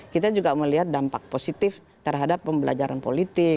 kita juga melihat dampak positif terhadap pembelajaran politik